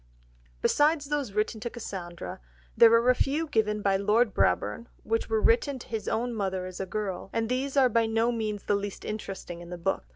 Besides those written to Cassandra, there are a few given by Lord Brabourne, which were written to his own mother as a girl, and these are by no means the least interesting in the book.